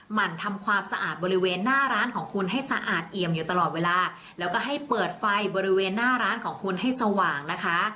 หั่นทำความสะอาดบริเวณหน้าร้านของคุณให้สะอาดเอี่ยมอยู่ตลอดเวลาแล้วก็ให้เปิดไฟบริเวณหน้าร้านของคุณให้สว่างนะคะ